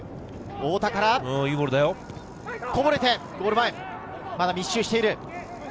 太田からこぼれて、ゴール前、まだ密集している。